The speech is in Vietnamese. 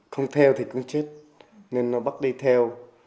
không theo thì cứ chết nên nó bắt đi theo